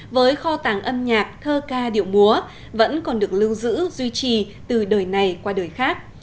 với kho tàng âm nhạc thơ ca điệu múa vẫn còn được lưu giữ duy trì từ đời này qua đời khác